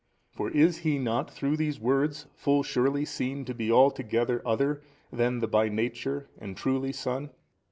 For is he not through these words full surely seen to be altogether other than the by Nature and truly Son?